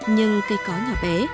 nhưng cây cói nhỏ bé